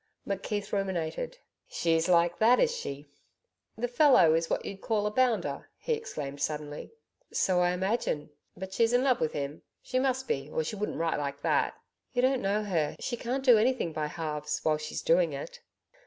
McKeith ruminated. 'SHE'S like that, is she? ... The fellow is what you'd call a bounder?' he exclaimed suddenly. 'So I imagine.' 'But she's in love with him she must be, or she wouldn't write like that?' 'You don't know her. She can't do anything by halves while she's doing it.'